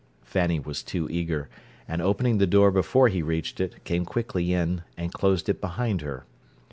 Fanny was too eager, and, opening the door before he reached it, came quickly in, and closed it behind her.